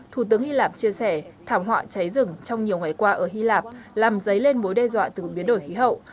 thủ tướng hy lạp chia sẻ thảm họa cháy rừng trong nhiều ngày qua ở hy lạp làm dấy lên mối đe dọa từ biến đổi khí hậu